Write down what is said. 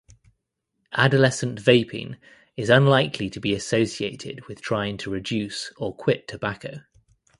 Adolescent vaping is unlikely to be associated with trying to reduce or quit tobacco.